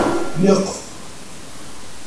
Lliɣ qefzeɣ.